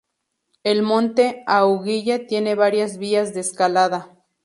El monte Aiguille tiene varias vías de escalada.